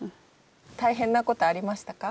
大変なことはありましたか？